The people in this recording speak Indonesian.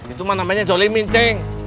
itu mah namanya jolimin ceng